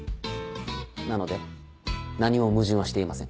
なので何も矛盾はしていません。